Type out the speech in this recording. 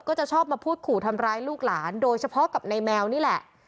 ก็จะชอบมาพูดขู่ทำร้ายลูกหลานโดยเฉพาะกับในแมวนี่แหละ